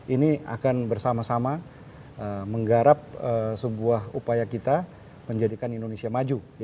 ini akan bersama sama menggarap sebuah upaya kita menjadikan indonesia maju